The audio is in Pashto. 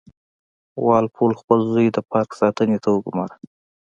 وال پول خپل زوی د پارک ساتنې ته وګوماره.